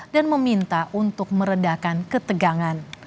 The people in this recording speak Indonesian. dan meminta untuk meredakan ketegangan